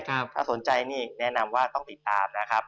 ถ้าสนใจนี่แนะนำว่าต้องติดตามนะครับ